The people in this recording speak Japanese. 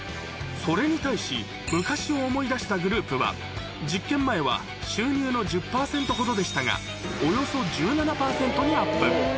それに対し昔を思い出したグループは実験前は収入の１０％ほどでしたがおよそ１７％にアップ